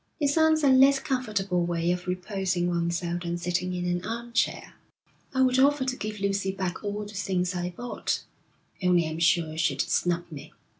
'It sounds a less comfortable way of reposing oneself than sitting in an armchair.' 'I would offer to give Lucy back all the things I bought, only I'm sure she'd snub me.'